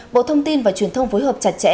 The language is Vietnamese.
bộ thông tin và truyền thông phối hợp chặt chẽ